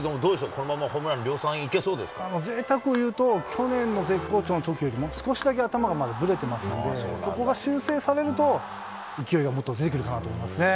このままホームラぜいたくを言うと、去年の絶好調のときよりも、少しだけ頭がまだぶれてますんで、そこが修正されると、勢いがもっと出てくるかなと思いますね。